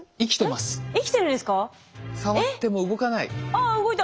ああ動いた。